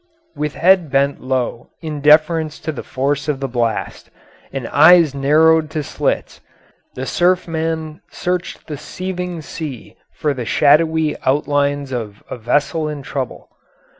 With head bent low in deference to the force of the blast, and eyes narrowed to slits, the surfman searched the seething sea for the shadowy outlines of a vessel in trouble.